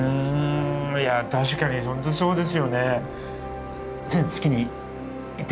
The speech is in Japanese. いや確かに本当そうですよね。